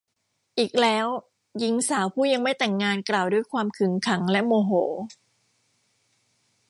อีกแล้ว หญิงสาวผู้ยังไม่แต่งงานกล่าวด้วยความขึงขังและโมโห